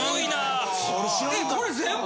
えこれ全部！？